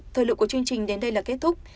thời lượng của chương trình đến đây là kết thúc